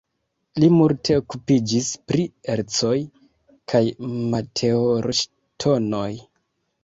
Li multe okupiĝis pri ercoj kaj meteorŝtonoj.